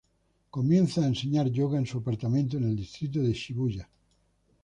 Comienza a enseñar yoga en su apartamento en el distrito de Shibuya.